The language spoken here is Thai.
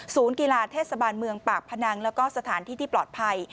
กีฬาเทศบาลเมืองปากพนังแล้วก็สถานที่ที่ปลอดภัย